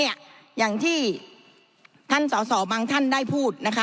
อย่างที่ท่านสอสอบางท่านได้พูดนะคะ